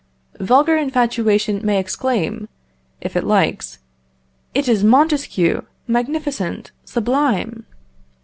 Vulgar infatuation may exclaim, if it likes: "It is Montesquieu! magnificent! sublime!"